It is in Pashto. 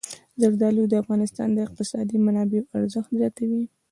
زردالو د افغانستان د اقتصادي منابعو ارزښت زیاتوي.